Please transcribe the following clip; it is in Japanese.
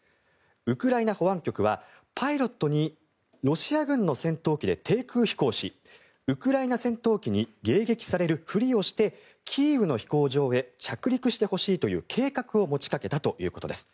ウクライナ保安局はパイロットにロシア軍の戦闘機で低空飛行しウクライナ戦闘機に迎撃されるふりをしてキーウの飛行場へ着陸してほしいという計画を持ちかけたということです。